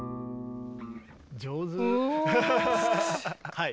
はい。